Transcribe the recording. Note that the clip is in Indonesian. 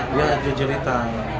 dia aja cerita